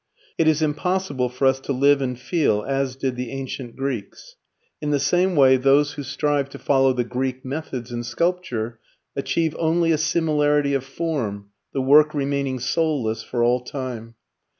It is impossible for us to live and feel, as did the ancient Greeks. In the same way those who strive to follow the Greek methods in sculpture achieve only a similarity of form, the work remaining soulless for all time.